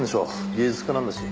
芸術家なんだし。